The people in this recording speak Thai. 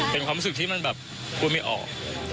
เป็นความรู้สึกที่มันแบบพูดไม่ออก